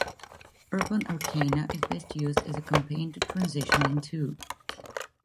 Urban Arcana is best used as a campaign to transition into.